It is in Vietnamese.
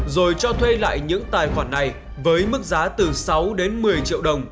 rồi cho thuê lại những tài khoản này với mức giá từ sáu đến một mươi triệu đồng